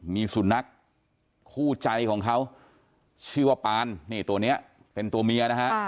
มีสุนัขคู่ใจของเขาชื่อว่าปานนี่ตัวนี้เป็นตัวเมียนะฮะ